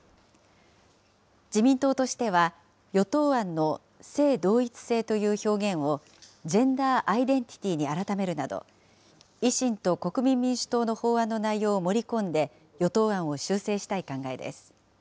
自民党としては、与党案の性同一性という表現を、ジェンダーアイデンティティに改めるなど、維新と国民民主党の法案の内容を盛り込んで、与党案を修正したい考えです。